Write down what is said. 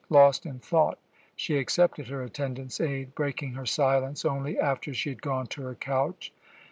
Lost in thought, she accepted her attendant's aid, breaking her silence only after she had gone to her couch.